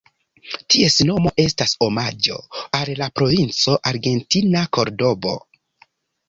Ties nomo estas omaĝo al la provinco argentina Kordobo.